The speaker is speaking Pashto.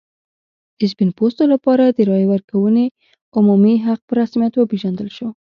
د سپین پوستو لپاره د رایې ورکونې عمومي حق په رسمیت وپېژندل شو.